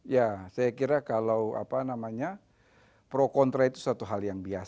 ya saya kira kalau pro kontra itu satu hal